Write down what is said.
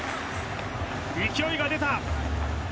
勢いが出た！